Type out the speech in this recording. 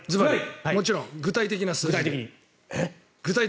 もちろん、具体的な数字で。